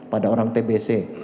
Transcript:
pada orang tbc